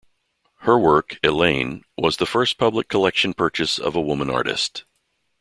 Her work, "Elaine", was the first public collection purchase of a woman artist.